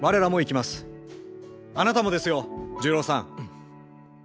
あなたもですよ重郎さん！